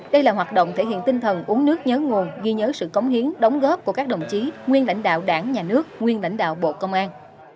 đây là hoạt động thể hiện tinh thần uống nước nhớ nguồn ghi nhớ sự cống hiến đóng góp của các đồng chí nguyên lãnh đạo đảng nhà nước nguyên lãnh đạo bộ công an